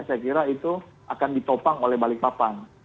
saya kira itu akan ditopang oleh balikpapan